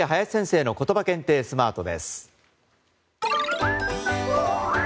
続いて、林先生のことば検定スマートです。